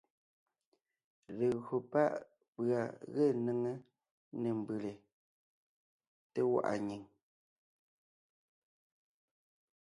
Legÿo pá’ pʉ̀a ge néŋe nê mbʉ́lè, té gwaʼa nyìŋ,